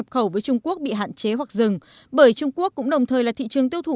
khẩu với trung quốc bị hạn chế hoặc dừng bởi trung quốc cũng đồng thời là thị trường tiêu thụ